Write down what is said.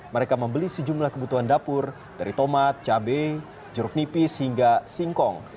mereka membeli sejumlah kebutuhan dapur dari tomat cabai jeruk nipis hingga singkong